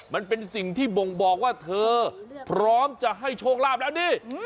มันเป็นสิ่งที่บ่งบอกว่าเธอพร้อมจะให้โชคลาภแล้วนี่